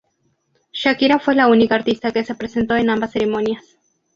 Shakira fue la única artista que se presentó en ambas ceremonias.